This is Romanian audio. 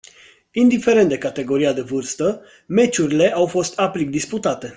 Indiferent de categoria de vârstă, meciurile au fost aprig disputate.